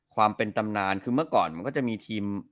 ความเป็นตำนานคือเมื่อก่อนมันก็จะมีทีม